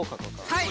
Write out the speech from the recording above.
はい。